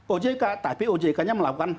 ojk tapi ojk nya melakukan